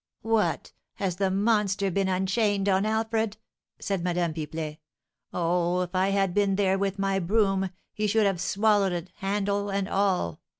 "What! has the monster been unchained on Alfred?" said Madame Pipelet. "Oh, if I had been there with my broom, he should have swallowed it, handle and all!